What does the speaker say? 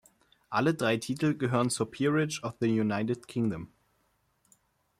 Alle drei Titel gehören zur Peerage of the United Kingdom.